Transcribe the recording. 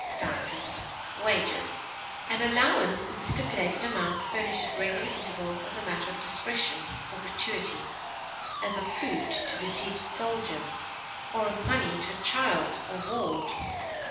fee, An allowance is a stipulated amount furnished at regular intervals as a matter of discretion or gratuity, as of food to besieged soldiers, or of money to a child or ward.